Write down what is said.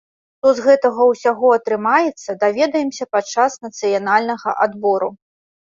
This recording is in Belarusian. Што з гэтага ўсяго атрымаецца, даведаемся падчас нацыянальнага адбору!